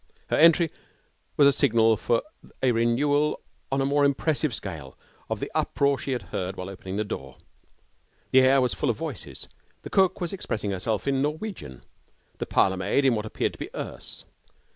Her entry was a signal for a renewal on a more impressive scale of the uproar that she had heard while opening the door. The air was full of voices. The cook was expressing herself in Norwegian, the parlour maid in what appeared to be Erse.